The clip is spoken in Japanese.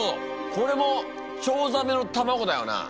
これもチョウザメの卵だよな。